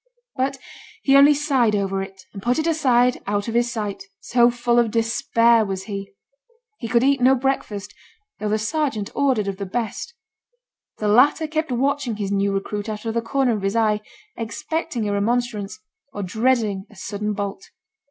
But he only sighed over it, and put it aside out of his sight so full of despair was he. He could eat no breakfast, though the sergeant ordered of the best. The latter kept watching his new recruit out of the corner of his eye, expecting a remonstrance, or dreading a sudden bolt.